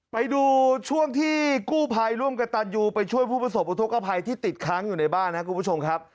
ไปดูช่วงที่กู้ภัยร่วมกับตันยูไปช่วยผู้ประสบอุทธกภัยที่ติดค้างอยู่ในบ้านนะครับคุณผู้ชมครับ